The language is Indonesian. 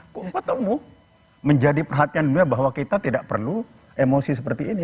keempat temu menjadi perhatian dunia bahwa kita tidak perlu emosi seperti ini